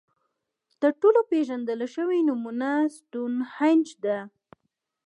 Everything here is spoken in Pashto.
تر ټولو پېژندل شوې نمونه ستونهنج ده.